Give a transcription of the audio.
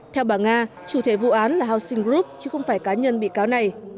theo bà nga chủ thể vụ án là housing group chứ không phải cá nhân bị cáo này